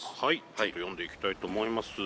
ちょっと読んでいきたいと思います。